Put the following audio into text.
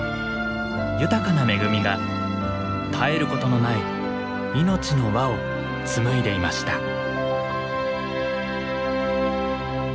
豊かな恵みが絶えることのない命の輪を紡いでいました。